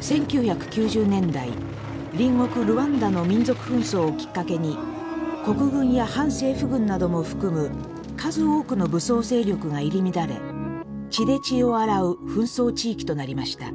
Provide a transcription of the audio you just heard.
１９９０年代隣国ルワンダの民族紛争をきっかけに国軍や反政府軍なども含む数多くの武装勢力が入り乱れ血で血を洗う紛争地域となりました。